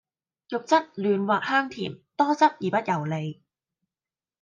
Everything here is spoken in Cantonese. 肉質嫩滑香甜，多汁而不油膩